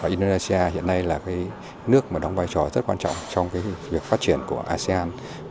indonesia hiện nay là nước đóng vai trò rất quan trọng trong việc phát triển của asean